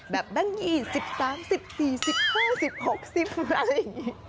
แบบนี้สิบสามสิบสี่สิบห้าสิบหกสิบอะไรอย่างนี้